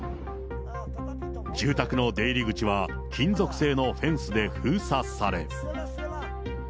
住宅の出入り口は金属製のフェンスで封鎖され。